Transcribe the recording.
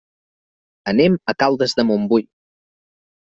Anem a Caldes de Montbui.